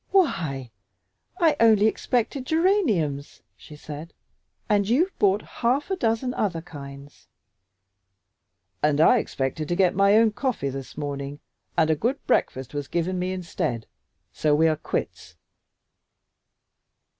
"Why, I only expected geraniums," she said, "and you've bought half a dozen other kinds." "And I expected to get my own coffee this morning and a good breakfast was given me instead, so we are quits."